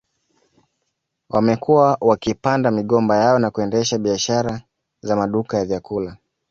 Wamekuwa wakipanda migomba yao na kuendesha biashara za maduka ya vyakula